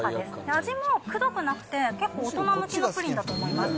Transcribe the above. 味もくどくなくて、結構大人向きのプリンだと思います。